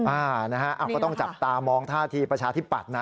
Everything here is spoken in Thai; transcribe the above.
อ่านะฮะก็ต้องจับตามองท่าทีประชาธิปัตย์นะ